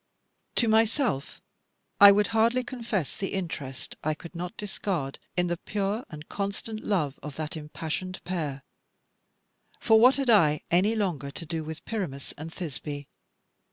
To myself I would hardly confess the interest I could not discard in the pure and constant love of that impassioned pair; for what had I any longer to do with Pyramus and Thisbe?